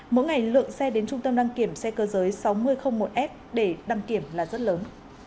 mỗi ngày lượng xe đến trung tâm đăng kiểm xe cơ giới sáu nghìn một f để đăng kiểm là rất lớn